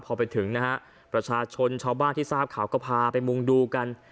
พอไปถึงนะฮะประชาชนชาวบ้านที่ทราบข่าวก็พาไปมุ่งดูกัน